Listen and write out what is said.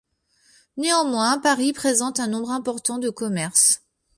Néanmoins, Paris présente un nombre important de commerces.